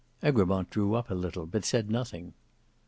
Egremont drew up a little, but said nothing.